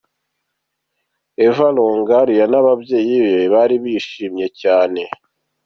Eva Longoria n'ababyeyi be bari bishimye cyane.